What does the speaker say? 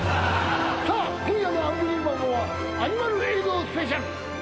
さあ今夜の『アンビリバボー』はアニマル映像スペシャル。